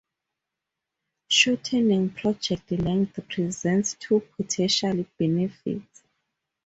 Shortening project length presents two potential benefits.